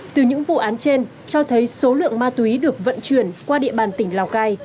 từ những vụ án trên cho thấy số lượng ma túy được vận chuyển qua địa bàn tỉnh lào cai